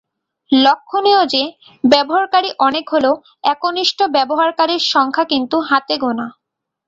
লক্ষ্যণীয় যে, ব্যবহারকারী অনেক হলেও একনিষ্ঠ ব্যবহারকারীর সংখ্যা কিন্তু হাতেগোণা।